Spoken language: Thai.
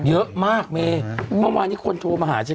เยอะมากเมย์เมื่อวานนี้คนโทรมาหาฉัน